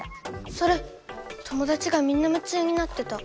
それ友だちがみんなむちゅうになってた。